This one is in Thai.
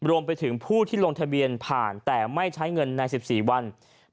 รวมไปถึงผู้ที่ลงทะเบียนผ่านแต่ไม่ใช้เงินใน๑๔วัน